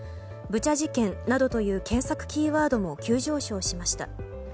ブチャ事件などという検索キーワードも急上昇しました。